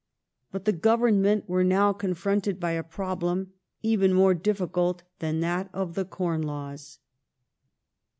But the Government were now confronted by a problem even more difficult than that of the Corn Laws.